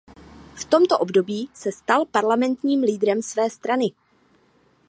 V tomto období se stal parlamentním lídrem své strany.